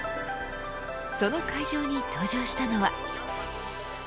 その会場に登場したのは。